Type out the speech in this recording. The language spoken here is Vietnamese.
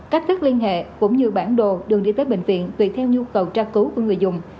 cách thức liên hệ cũng như bản đồ đường đi tới bệnh viện tùy theo nhu cầu tra cứu của người dùng